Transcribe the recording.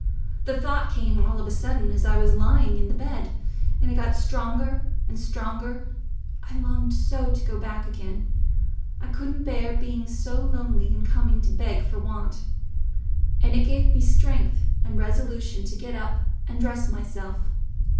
The thought came all of a sudden, as I was lying in the bed, and it got stronger and stronger... I longed so to go back again... I couldn't bear being so lonely and coming to beg for want. And it gave me strength and resolution to get up and dress myself.